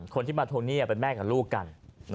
คนที่มาทวงหนี้เป็นแม่กับลูกกัน